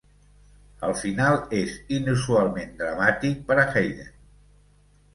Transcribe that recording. El final és inusualment dramàtic per a Haydn.